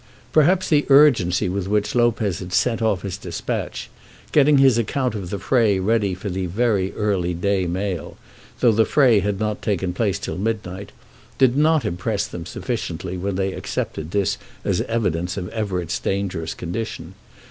Perhaps the urgency with which Lopez had sent off his dispatch, getting his account of the fray ready for the very early day mail, though the fray had not taken place till midnight, did not impress them sufficiently when they accepted this as evidence of Everett's dangerous condition.